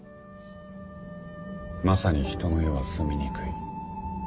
まさに「人の世は住みにくい」。